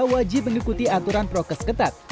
wajib mengikuti aturan prokes ketat